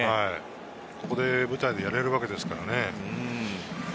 この舞台でやれるわけですからね。